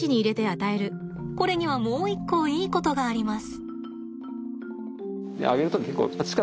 これにはもう一個いいことがあります。